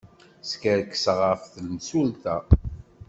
Skerkseɣ ɣef temsulta.